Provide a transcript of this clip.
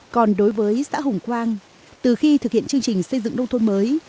còn đối với xã hồng quang từ khi thực hiện chương trình xây dựng nông thôn mới